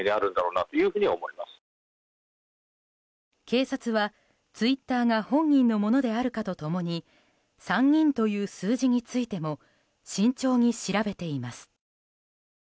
警察はツイッターが本人のものであるかと共に３人という数字についても慎重に調べています。